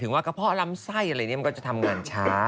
ว่ากระเพาะลำไส้อะไรเนี่ยมันก็จะทำงานช้า